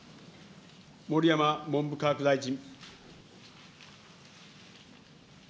盛山文部科学大臣。